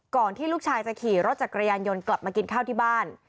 ที่ลูกชายจะขี่รถจักรยานยนต์กลับมากินข้าวที่บ้าน